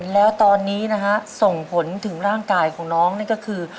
แล้วตอนนี้นะฮะส่งผลถึงร่างกายของน้องนี่ก็คือ